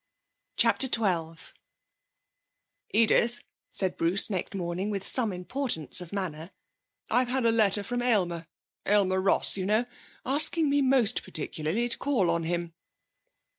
CHAPTER XII 'Edith,' said Bruce, next morning, with some importance of manner, 'I've had a letter from Aylmer Aylmer Ross, you know asking me, most particularly, to call on him.'